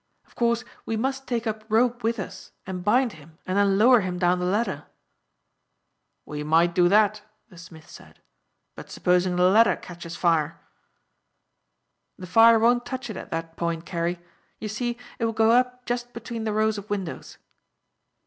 Of course, we must take up rope with us, and bind him and then lower him down the ladder." "We might do that," the smith said; "but supposing the ladder catches fire?" "The fire won't touch it at that point, Carey. You see, it will go up just between the rows of windows."